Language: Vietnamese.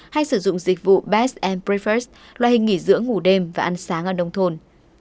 hay sử dụng dịch vụ best preferred loại hình nghỉ dưỡng ngủ đêm và ăn sáng ở nông thôn